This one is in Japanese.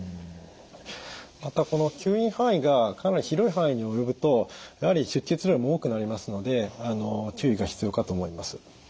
またこの吸引範囲がかなり広い範囲に及ぶとやはり出血量も多くなりますので注意が必要かと思います。